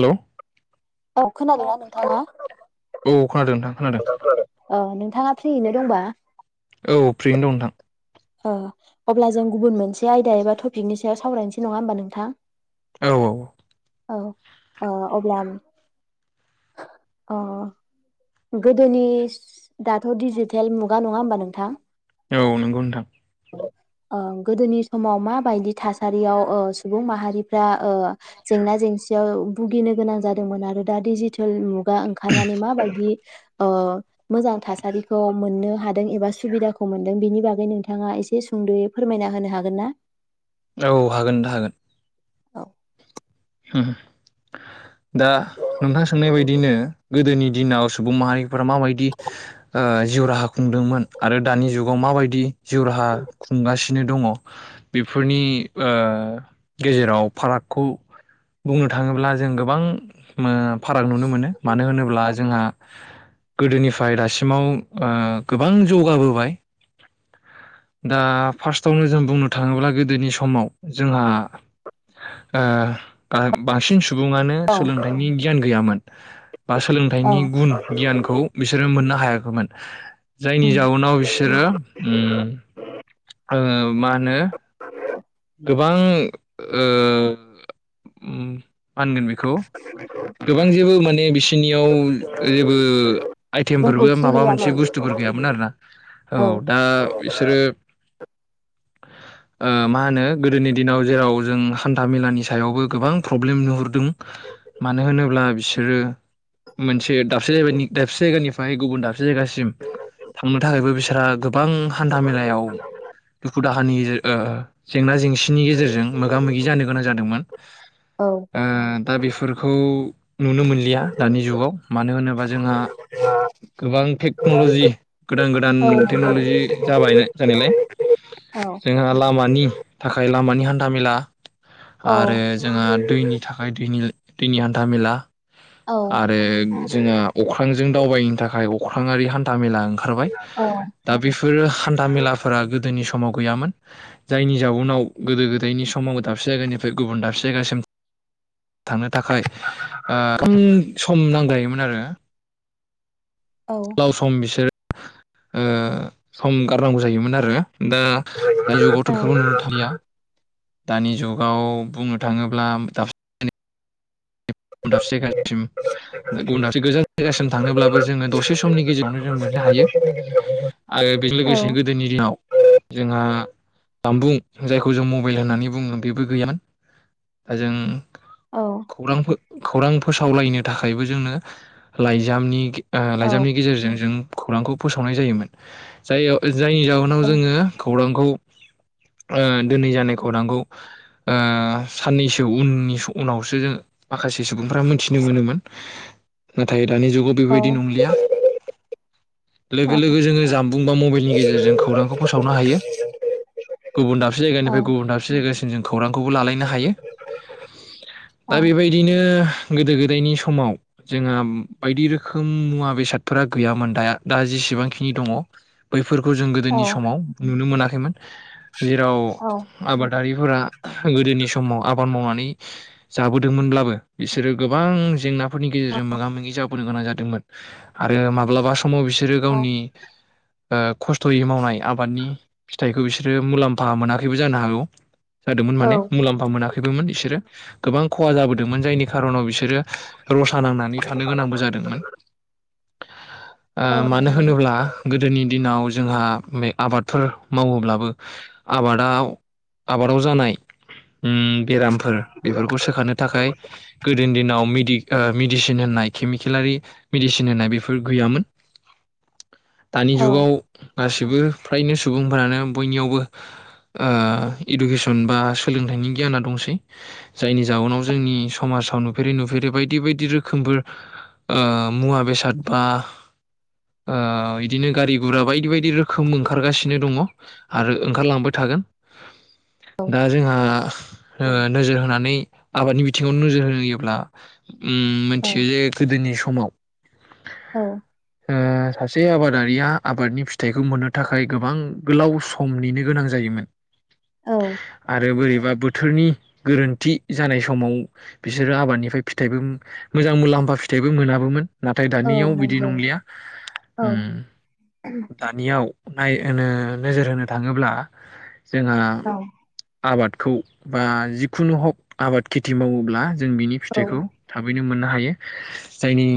Hello औ खोनादोंना नोंथाङा? औ खोनादों नोंथां खोनादों औ नोंथाङा फ्रियैनो दंबा? औ फ्रिनो दं नोंथां ओ अब्ला जों गुबुन मोनसे आयदा एबा टपिकनि सायाव सावरायनोसै नङा होमबा नोंथां। औ औ औ ओ अब्ला अ गोदोनि दाथ' डिजिटेल मुगा नङा होमबा नोंथां। औ नंगौ नोंथां। गोदोनि समाव माबायदि थासारियाव सुबुं माहारिफ्रा जेंना जेंसियाव भुगिनो गोनां जादोंमोन आरो दा डिजिटेल गा ओंखारनानै माबायदि ओ मोजां थासारिखौ मोननो हादों एबा सुबिदाखौ मोनदों बेनि बागै नों थाङा एसे सुंदयै फोरमायना होनो हागोन ना। औ हागोन नोंथां हागोन। औ उम दा नोंथां सोंनाय बायदिनो गोदोनि दिनाव सुबुं माहारिफोरा माबायदि ओ जिउ राहा खुंदोंमोन आरो दानि जुगाव माबायदि जिउ राहा खुंगासिनो दङ' बेफोरनि ओ गेजेराव आ फारागखौ बुंनो थाङोब्ला जों गोबां मो फाराग नुनो मोनो मानो होनोब्ला जोंहा गोदोनिफ्राय दासिमाव ओ गोबां जौगाबोबाय दा फार्स्थआवनो जों बुंनो थाङोब्ला गोदोनि समाव जोंहा ओ बां बांसिन सु सुबुङानो औ सोलोंथाइनि गियान गैयामोन बा औ सोलोंथाइनि गुन गियानखौ बिसोरो मोन हायाखैमोन जायनि जाउनाव बिसोरो ओ [inaudible] ओ मा होनो गोबां ओ ओ माहोनगोन बेखौ गोबां जेबो माने बिसिनियाव जेबो आइथेमफोरबो रोंगौथि माबा मोनसे गैयामोन बुस्थुफोर गैयामोन आरोना औ दा बिसोरो आ मा होनो गोदोनि दिनाव जेराव जों हान्था मेलानि सायावबो गोबां प्रब्लेम नुहुरदों मानो होनोब्ला बिसोरो मोनसे दाबसे जाबानि दाबसे जायगानिफ्राय गुबुन दाबसे जायगासिम थांनो थाखायबो बिसोरहा गोब बां हान्था मेलायाव हु दाहानि ओ जेंना जेंसिनि गेजेरजों मोगा मोगि जानो गोनां जादोंमोन। औ ओ दा बेफोरखौ नुनो मोनलिया दानि जुगाव मानो होनोबा जोंहा गोबां टेक्नलजि गोदान गोदान औ नंगौ टेक्नलजि जाबाय नाय जानायलाय औ जोंहा लामानि थाखाय लामानि हान्था मेला औ आरो जोंहा दैनि थाखाय दैनि दैनि हान्थामेला औ आरो जोंहा अख्रांजों दावबायनो थाखाय अख्राङारि हान्था मेला ओंखारबाय औ दा बेफोरो हान्था मेलाफोरा गोदोनि सम समाव गैयामोन जायनि जाउनाव गोदो गोदायनि समावबो दाबसे जायगानिफ्राय गुबुन दाबसे जायगासिम थांनो थाखाय ओ खम सम नांजायोमोन आरो औ [unintelligible] सम बिसोर ओ सम गारनांगौ जायोमोन आरो दा दानि जुगावथ बेखौबो नुनो थांलिया। दानि जुगाव बुंनो थाङोब्ला दा गुबन दाबसे जायगासिम गुबुन दाबसे गोजान जायगासिम थांनोब्लाबो जोङो दसे समनि गेजेरावनो जों मोननो हायो आरो बेजों लोगोसे गोदोनि दिनाव जोंहा जामबुं जायखौ जों मबाइल होननानै बुङो बेबो गैयामोन दा जों खौरांफोर खौरां फोसावलायनो थाखायबो जोंनो लाइजामनि लाइजामनि गेजेरजों जों खौरांखौ फोसावनाय जायोमोन जाय जायनि जाहोनाव जोङो खौरांखौ ओ दिनै जानाय खौरांखौ ओ साननैसो उननि उनावसो माखासे सुबुंफ्रा मिथिनो मोनोमोन नाथाय दानि जुगाव बेबायदि नंलिया लोगो लोगो जोङो जामबुं बा मबाइलनि गेजेरजों खौरांखौ फोसावनो हायो गुबुन दाबसे जायगानिफ्राय गुबुन दाबसे जायगासिम जों खौरांखौबो लालायनो हायो दा बेबाय दिनो गोदो गोदायनि समाव जोंहा बायदि रोखोम मुवा बेसादफोरा गैयामोन दा दा जेसेबांखिनि दङ फोरखौ जों औ गोदोनि समाव नुनो मोना खैमोन जेराव आबादारिफोरा गोदोनि समाव आ बाद मावनानै जाबोदोंमोनब्ला बो बिसोरो गोबां जेंना फोरनि गेजेरजों मोगा मोगि जाबोनो गोनां जा दोंमोन आरो माब्लाबा स माव बिसोरो गावनि ओ खस्थयै मावनाय आबादनि फिथाइखौ बिसोरो मुलाम्फा मोनाखैबो जानो हागौ जादोंमोन माने मुलाम्फा मोनाखैबोमोन बिसोरो गोबां खहा जाबो दोंमोन जायनि खारनाव बिसोरो रसा नांनानै थानो गोनांबो जादोंमोन। ओ मानो होनोब्ला गोदोनि दिनाव जोंहा बे आबादफोर मावोब्लाबो आबादाव आबादाव जानाय ओम बेरामफोर बेफोरखौ सोखानो थाखाय गोदोनि दिनाव मिदि ओ मेदिसिन होननाय केमिकेलारि मेदिसिन होननाय बेफोर गैयामोन। दानि जुगाव गासिबो फ्रायनो सुबुंफोरानो बयनियावबो इडुकेसन बा सोलोंथाइनि गियाना दंसै जायनि जाउनाव जोंनि समाजाव नुफेरै नुफेरै बायदि बायदि रोखोमबो मुवा बेसाद बा बिदिनो गारि गुरा बायदि बायदि रोखोम ओंखारगासिनो दङ आरो ओंखारलांबाय थागोन। दा जोंहा नोजोर होनानै आबादनि बिथ बिथिङावनो नोजोर होयोब्ला मिथियो जे गोदोनि समाव सासे आबादारिया आबादनि फिथाइखौ मोननो थाखाय गोबां गोलाव समनिनो गोनां जायोमोन। आरो बोरैबा बुथ थोरनि गोरोन्थि जानाय समाव बिसोरो आबादनिफ्राय फिथाइबो मोजां मुलाम्फा फिथाइबो मोनाबोमोन। नाथाय औ दानियाव बिदि नंगौ नंलिया औ उम दानियाव नाय ओनो नोजोर होनो थाङोब्ला जोंहा औ आबाद। खौ बा जिखुनु हक आबाद खेथि दि मावोब्ला जों बिनि औ औ नंगौ औ फिथाइखौ थाबै बेनो मोननो हायो जायनि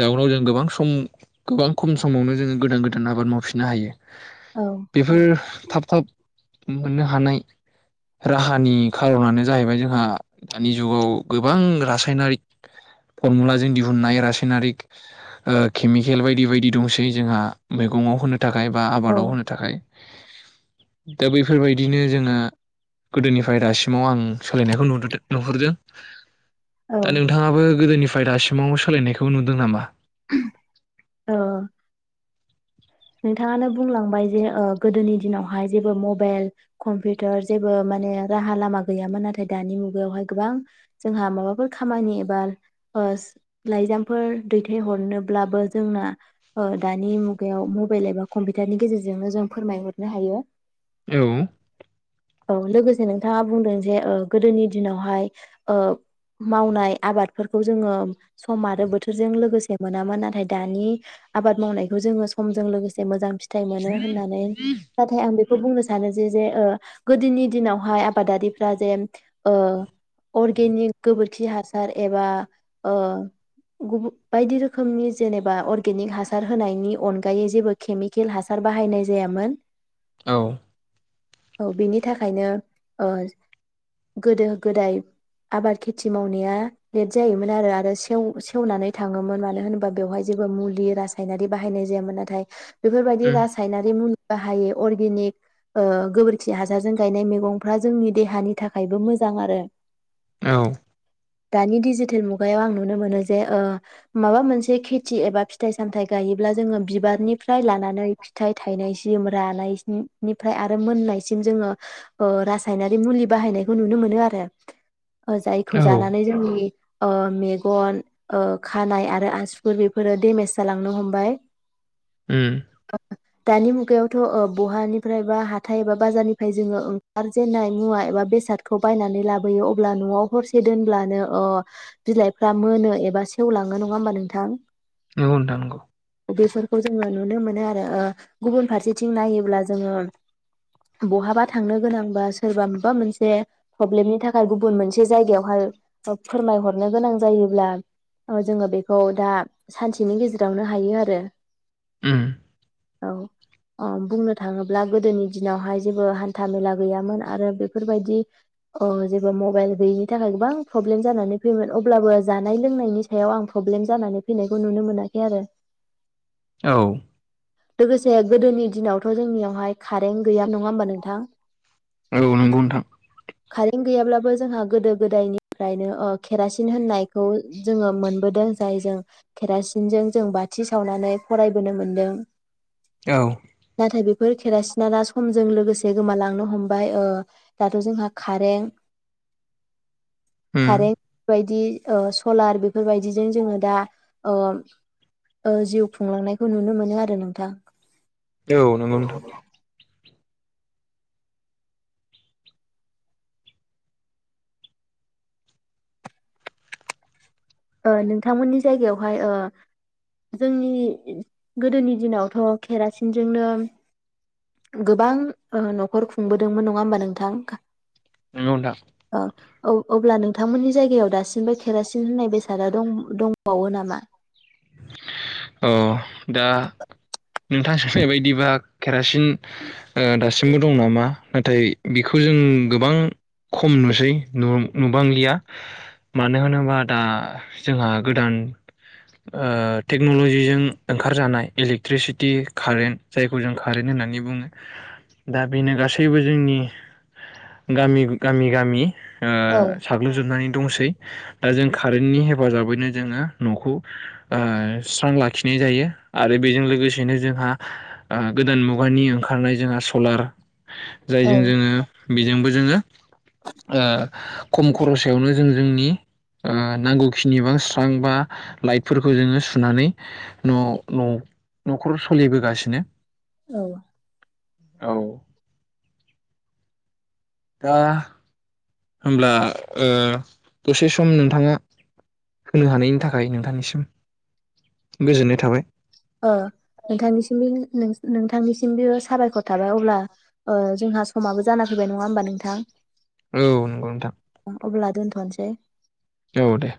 जाउनाव जों गोबां सम गोबां खम समावनो जोङो गोदान गोदान आबाद मावफिननो हायो। बेफोर थाब थाब। मोननो हानाय राहानि खार'नानो जाहैबाय जोंहा दानि जुगाव गोबां रासायनारिक फरमुलाजों दिहुननाय रासायनारिक ओ खेमिकेल बायदि बायदि दंसै जोंहा मैगंआव होनो। ताखाय बा आबादाव औ होनो थाखाय। दा बैफोरबायदिनो जोङो गोदोनिफाय दासिमाव आं सोलायनायखौ नुदोदो। नुहुरदों। औ दा नोंथाङाबो गोदोनि फाय दासिमावबो सोलायनायखौ नुदो नामा? [unintelligible] नोंथाङानो बुंलांबाय जे ओ गोदोनि दिनावहाय जेबो मबेइल कम्पिउटार जेबो माने राहा लामा गैयामोन नाथाय दानि मुगायावहाय गोबां जोंहा माबाफोर खामानि एबा ओ लाइजामफोर दैथायहरनोब्लाबो जोंना ओ दानि मुगायाव मुद बेल एबा कम्पिटारनि गेजेरजोंनो जों फोरमायहरनो हायो। औ औ लोगोसे नोंथाङा बुंदों जे ओ गोदोनि दिनावहाय ओ मावनाय आबादफोरखौ जोङो सम आरो बोथोरजों लोगोसे मोनामोन नाथाय दानि आबाद मावनायखौ जोङो सम जों लोगोसे मोजां फिथ थाइ मोनो होननानै नाथाय आं बे खौ बुंनो सानो जे जे गोदोनि दिनावहाय आबादारिफ्रा जे ओ अर्गेनिक गोबोरखि हासार एबा ओ गुबु बायदि रोखोमनि जेनेबा अर्गेनिक हासार होनायनि अन गायै जेबो खेमिकेल हासार बाहायनाय जायामोन। औ औ बिनि थाखायनो ओ गोदो गोदाय आबाद खेथि मावनाया लेट जायोमोन आरो आरो सेव सेवनानै थाङोमोन मानो होनोबा बेवहाय जेबो मुलि रासायनारि बाहायनाय जायामोन नाथाय बेफोरबायदि उम रासायनारि मुल बाहायो अर्गेनिक ओ गोबोरखि हासारजों गायनाय मैगंफ्रा जोंनि देहानि थाखायबो मोजां आरो। औ दानि डिजिटेल मुगायाव आं नुनो मोनो जे ओ माबा मोनसे खेथि एबा फिथाइ सामथाइ गायोब्ला जोङो बिबारनि फ्राय लानानै फिथाइ थायनायस दिम रानायस्नि निफ्राय आरो मोननायसिम जोङो ओ रासायनारि मुलि बाहायनायखौ नुनो मोनो आरो। ओ जायखौ औ जानानै जोंनि ओ मेगन ओ खानाय आरो आसुगुर बेफोरो डेमेज जालांनो हमबाय। उम। दानि मुगायावथ ओ बहानिफ्राय बा हाथाय एबा बाजारनिफ्राय जोङो ओंखारजेन्नाय मुवा एबा बेसादखौ बायनानै लाबोयो अब्ला न'वाव हरसे दोनब्लानो ओ बिलाइफ्रा मोनो एबा सेवलाङो नङा होमबा नोंथां? नंगौ नोंथां नंगौ। बेफोरखौ जोङो नुनो मोनो आरो ओ गुबुन फारसेथिं नायोब्ला जोङो बहाबा थांनो गोनां बा सोरबा माबा मोनसे प्रब्लेमनि थाखाय गुबुन मोनसे जायगायावहाय फो- फोरमायहरनो गोनां जायोब्ला ओ जोङो बेखौ दा सानसेनि गेजेरावनो हायो आरो। रो उम। औ अ बुंनो थाङोब्ला गोदोनि दिनावहाय जेबो हान्था मेला गैयामोन आरो बेफोरबायदि ओ जेबो मबाइल गैयिनि थाखाय गोबां प्रब्लेम जानानै फैयोमोन अब्लाबो जानाय लोंनायनि सायाव आं प्रब्लेम जानानै फैनायखौ नुनो मोनाखै आरो। औ। लोगोसे गोदोनि दिनावथ जोंनियावहाय कारेन्ट गैया नङा होमबा नोंथां। औ नंगौ नोथां। कारेन्ट गैयाब्लाबो जोंहा गोदो गोदायनिफ्रायनो ओ केरासिन होननायखौ जोङो मोनबोदों जाय जों केरासिनजों जों बाथि सो गावनानै फरायबोनो मोनदों। ओउ। फोर केेरासिना दा समजों लोगोसे गोमालांनो हमबाय दाथ जोंहा खारें। उम खारें बा दि ओ सलार बेफोरबायदिजों जोङो दा ओ। जिउ खुंलांनायखौ नुनो मोनो आरो नोंथां। औ नंगौ नोंथां। ओ नोंथांमोननि जायगायावहाय ओ जोंनि गोदोनि दिनावथ केरासिनजोंनो गोबां ओ न'खर खुंबोदोंमोन नङा होमबा नोंथां खा नंगौ नोंथां। ओउ अब्ला नोंथांमोननि जायगायाव दासिमबो केरासिन होननाय बे सादा दं-दंबावो नामा? औ। दा। नोंथां सोनाय बायदिबा केरासि सिन ओ दासिमबो दं नामा। नाथाय बेखौ जों गोबां खम नुसै नु-नुबांलिया मानो होनोबा दा जोंहा गोदान। ओ टेक्नलजिजों ओंखारजानाय इलेक्ट्रिसिटि कारेन्ट जायखौ जों कारेन्ट होननानै बुङो दा बेनो गासैबो जोंनि गामि गामि गामि। ओ औ साग्लोबजोबनानै दंसै। दा जों कारेन्टनि हेफाजाबैनो जोङो नखौ। ओ स्रां लाखिनाय जायो आरो बेजों लोगोसेनो जोंहा आ गोदान मुगानि ओंखारनाय जोंहा सलार। औ जायजों जोङो बेजोंबो जोङो ओ खम खरसयावनो जों जोंनि ओ नांगौखिनि बा स्रां बा लाइटफोरखौ जोङो सुनानै न' न'खर सोलिबोगासिनो। औ। औ। दा होमब्ला ओ दसे सम नोंथाङा होनो हानायनि थाखाय नोंथांनिसिम गोजोननाय थाबाय। ओ नोंथांनिसिम बे नोंथांनिसिमबो साबायखर थाबाय अब्ला जोंहा समाबो जाना फैबाय नङा होमबा नोंथां? औ नंगौ नोंथां। नोसै। औ दे।